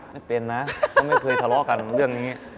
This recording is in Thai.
ไม่เป็นนะก็ไม่เคยทะเลาะกันเรื่องนี้